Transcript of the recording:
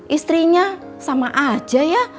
istrinya sama aja ya